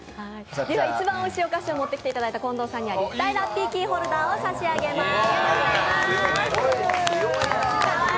一番おいしいお菓子を持ってきていただいた近藤さんには立体ラッピーキーホルダーを差し上げます！